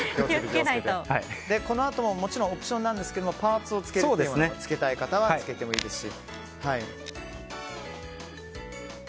このあともオプションですがパーツをつけたい方はつけてもいいですし。